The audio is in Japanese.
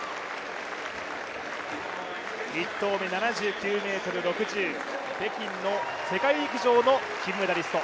１投目７９ｍ６０、北京の世界陸上の金メダリスト。